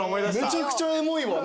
めちゃくちゃエモいわ何か。